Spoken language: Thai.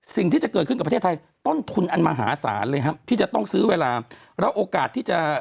สิ่งที่จะเกิดขึ้นกับประเทศไทยต้นทุนอันมหาศาลเลยครับที่จะต้องซื้อเวลาแล้วโอกาสที่จะ